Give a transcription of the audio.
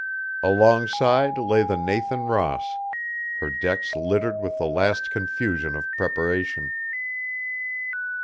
Alongside lay the Nathan Ross, her decks littered with the last confusion of preparation.